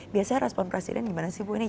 biasanya respon presiden gimana sih bu ini